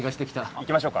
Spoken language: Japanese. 行きましょうか。